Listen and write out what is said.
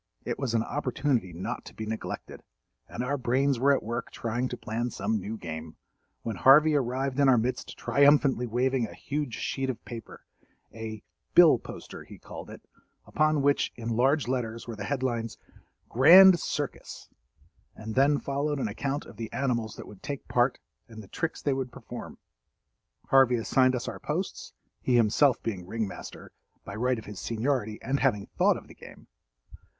It was an opportunity not to be neglected, and our brains were at work trying to plan some new game, when Harvey arrived in our midst triumphantly waving a huge sheet of paper—a "bill poster" he called it—upon which, in large letters, were the headlines, "Grand Circus," and then followed an account of the animals that would take part and the tricks they would perform. Harvey assigned us our posts—he himself being ring master, by right of his seniority and having thought of the game.